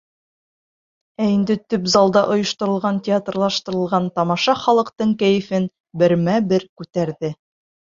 Ә инде төп залда ойошторолған театрлаштырылған тамаша халыҡтың кәйефен бермә-бер күтәрҙе.